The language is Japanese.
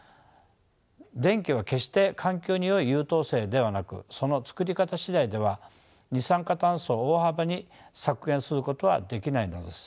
電気は決して環境によい優等生ではなくその作り方次第では二酸化炭素を大幅に削減することはできないのです。